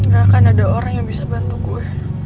gak akan ada orang yang bisa bantu gue